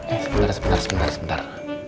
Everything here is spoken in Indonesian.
eh sebentar sebentar sebentar